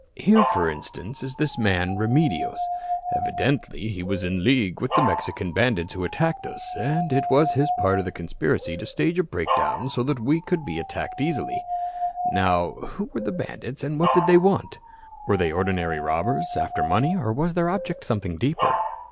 "Here, for instance, is this man Remedios. Evidently he was in league with the Mexican bandits who attacked us, and it was his part of the conspiracy to stage a breakdown so that we could be easily attacked. Now who were the bandits, and what did they want? Were they ordinary robbers after money, or was their object something deeper?